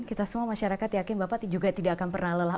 kita semua masyarakat yakin bapak juga tidak akan pernah lelah